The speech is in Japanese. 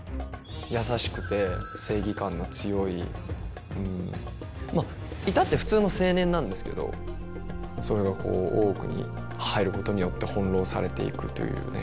優しくて正義感の強いまあ至って普通の青年なんですけどそれがこう大奥に入ることによって翻弄されていくというね。